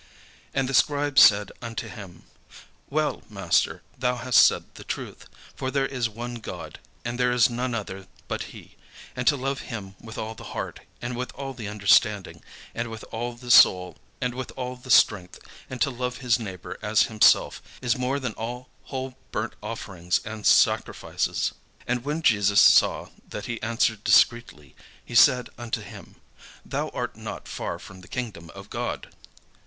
And the scribe said unto him, "Well, Master, thou hast said the truth: for there is one God; and there is none other but he: and to love Him with all the heart, and with all the understanding, and with all the soul, and with all the strength, and to love his neighbour as himself, is more than all whole burnt offerings and sacrifices." And when Jesus saw that he answered discreetly, he said unto him, "Thou art not far from the kingdom of God."